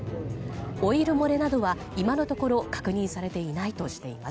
オイル漏れなどは今のところ確認されていないとしています。